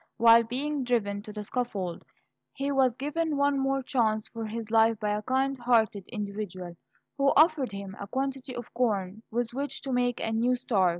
While being driven to the scaffold, he was given one more chance for his life by a kind hearted individual who offered him a quantity of corn with which to make a new start.